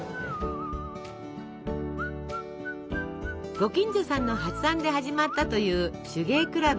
ご近所さんの発案で始まったという手芸クラブ。